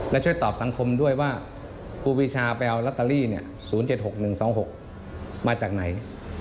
และช่วยตอบสังคมด้วยว่าครูปีชาไปเอาลอตเตอรี่๐๗๖๑๒๖มาจากไหน